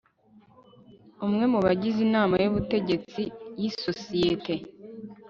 Umwe mu bagize Inama y Ubutegetsi y isosiyete